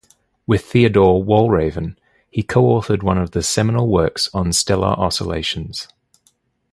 With Theodore Walraven, he co-authored one of the seminal works on stellar oscillations.